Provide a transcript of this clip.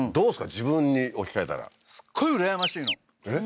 自分に置き換えたらすっごい羨ましいのえっ？